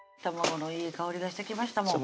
卵のいい香りがしてきました